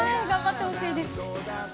頑張ってほしいです。